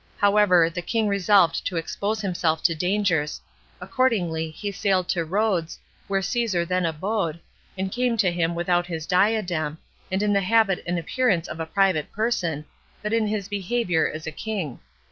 However, the king resolved to expose himself to dangers: accordingly he sailed to Rhodes, where Caesar then abode, and came to him without his diadem, and in the habit and appearance of a private person, but in his behavior as a king.